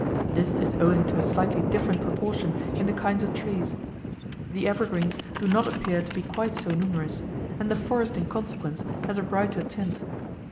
This is owing to a slightly different proportion in the kinds of trees. The evergreens do not appear to be quite so numerous, and the forest in consequence has a brighter tint.